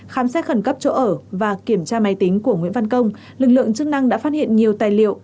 khám xét khẩn cấp chỗ ở và kiểm tra máy tính của nguyễn văn công lực lượng chức năng đã phát hiện nhiều tài liệu